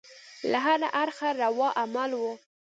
له هره اړخه روا عمل وو.